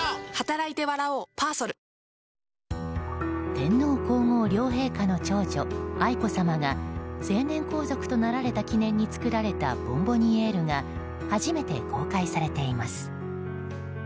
天皇・皇后両陛下の長女・愛子さまが成年皇族となられた記念に作られたボンボニエールが初めて公開されています。